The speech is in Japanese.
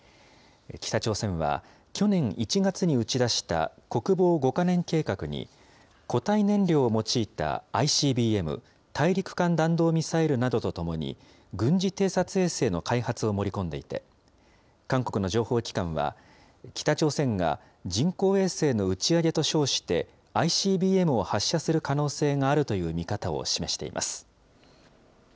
北朝鮮は、去年１月に打ち出した国防５か年計画に、固体燃料を用いたＩＣＢＭ・大陸間弾道ミサイルなどとともに、軍事偵察衛星の開発を盛り込んでいて、韓国の情報機関は、北朝鮮が人工衛星の打ち上げと称して、ＩＣＢＭを発射する可能性があるという見方を示しています。